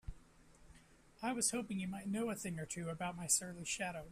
I was hoping you might know a thing or two about my surly shadow?